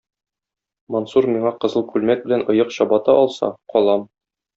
Мансур миңа кызыл күлмәк белән оек-чабата алса, калам.